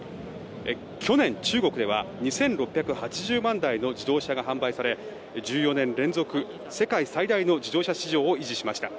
去年、中国では２６８０万台の自動車が販売され１４年連続世界最大の自動車市場を維持しました。